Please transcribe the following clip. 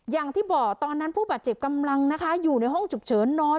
อย่างที่บอกตอนนั้นผู้บาดเจ็บกำลังนะคะอยู่ในห้องฉุกเฉินนอน